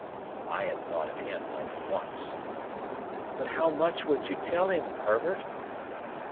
I had thought of him more than once. "But how much would you tell him, Herbert?"